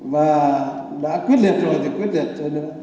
và đã quyết liệt rồi thì quyết liệt